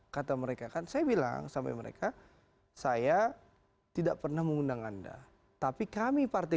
kata mereka kan saya bilang sampai mereka saya tidak pernah mengundang anda tapi kami partai